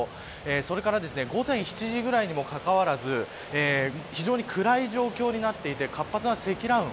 それから午前７時ぐらいにもかかわらず非常に暗い状況になっていて活発な積乱雲。